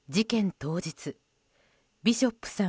当日ビショップさん